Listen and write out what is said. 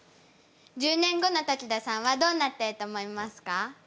１０年後のときどさんはどうなってると思いますか？